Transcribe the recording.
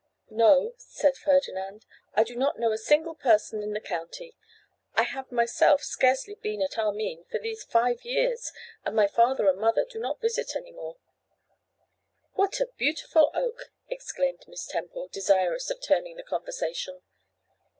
'No,' said Ferdinand; 'I do not know a single person in the county. I have myself scarcely been at Armine for these five years, and my father and mother do not visit anyone.' 'What a beautiful oak!' exclaimed Miss Temple, desirous of turning the conversation.